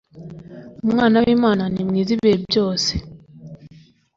Umwana w’Imana ni mwiza ibihe byose